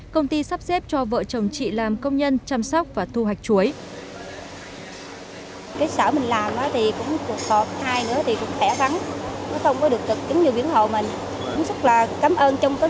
công ty sắp xếp cho vợ chồng chị làm công nhân chăm sóc và thu hoạch chuối